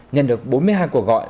nhận được bốn mươi hai cuộc gọi